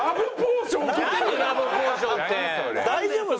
大丈夫？